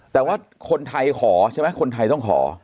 แต่ว่าคนไทยขอใช่ไหมคนไทยต้องขอ